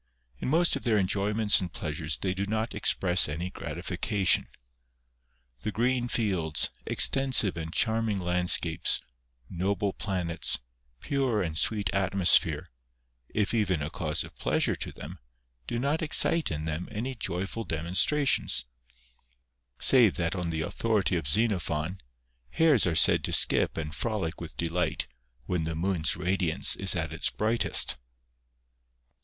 In most of their enjoyments and pleasures they do not express any gratification. The green fields, extensive and charming landscapes, noble planets, pure and sweet atmosphere, if even a cause of pleasure to them, do not excite in them any joyful demonstrations ; save that on the authority of Zenophon, hares are said to skip and frolic with delifi ht when the moon's radiance is at its bris^htest.